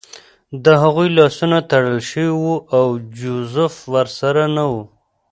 د هغوی لاسونه تړل شوي وو او جوزف ورسره نه و